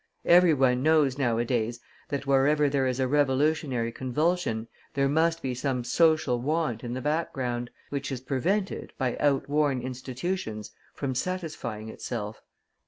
Everyone knows nowadays that wherever there is a revolutionary convulsion, there must be some social want in the background, which is prevented, by outworn institutions, from satisfying itself.